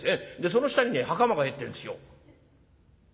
その下にね袴が入ってるんですよ」。